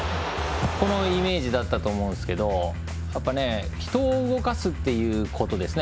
このイメージだったと思うんですけど人を動かすっていうことですね。